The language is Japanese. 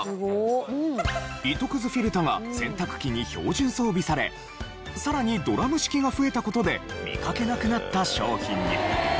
糸くずフィルタが洗濯機に標準装備されさらにドラム式が増えた事で見かけなくなった商品に。